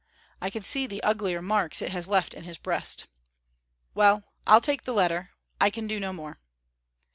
"I can see the uglier marks it has left in his breast." "Well, I'll take the letter; I can do no more."